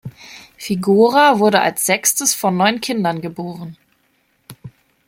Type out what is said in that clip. Figueroa wurde als sechstes von neun Kindern geboren.